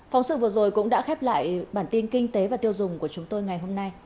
phóng sự vừa rồi cũng đã khép lại bản tin kinh tế và tiêu dùng của chúng tôi ngày hôm nay